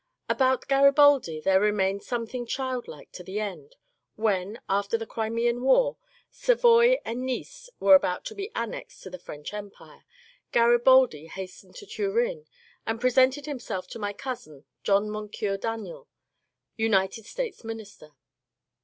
Aboat Graribaldi there remained something child like to the end. When, after the Crimean war, Savoy and Nice were about to be annexed to the French Empire, Garibaldi has tened to Turin and presented himself to my cousin, John Mon cure Daniel, United States Minister.